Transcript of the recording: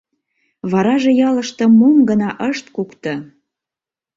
Вараже ялыште мом гына ышт кукто!